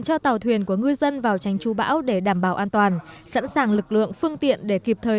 cho tàu thuyền của người dân vào tránh trú bão để đảm bảo an toàn sẵn sàng lực lượng phương tiện để kịp thời